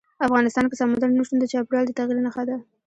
افغانستان کې سمندر نه شتون د چاپېریال د تغیر نښه ده.